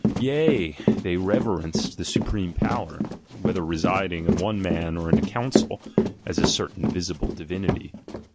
Yea, they reverenced the supreme power, whether residing in one man or in a council, as a certain visible divinity.